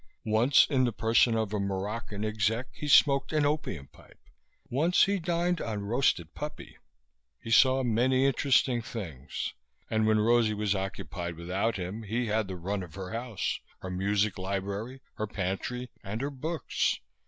Once, in the person of a Moroccan exec, he smoked an opium pipe; once he dined on roasted puppy. He saw many interesting things and, when Rosalie was occupied without him, he had the run of her house, her music library, her pantry and her books.